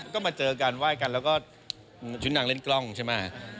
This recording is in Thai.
ก็มาเจอกันไหว้กันแล้วก็ชุดนางเล่นกล้องใช่ไหม